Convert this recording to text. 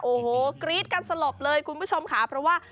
โอ้โหกรี๊ดกันสลบเลยคุณผู้ชมค่ะเพราะว่า